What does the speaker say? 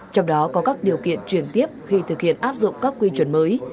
trong đó có các điều kiện chuyển tiếp khi thực hiện áp dụng các quy chuẩn mới